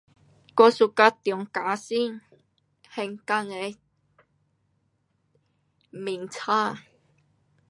我喜欢锺嘉兴，香港的名客。